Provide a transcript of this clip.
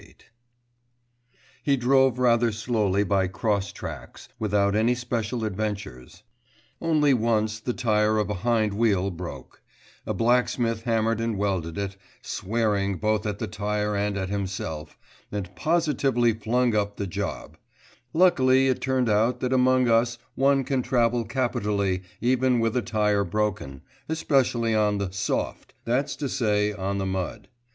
XXVIII He drove rather slowly by cross tracks, without any special adventures; only once the tire of a hind wheel broke; a blacksmith hammered and welded it, swearing both at the tire and at himself, and positively flung up the job; luckily it turned out that among us one can travel capitally even with a tire broken, especially on the 'soft,' that's to say on the mud.